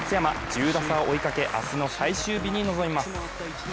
１０打差を追いかけ明日の最終日に臨みます。